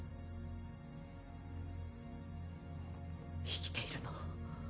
生きているの？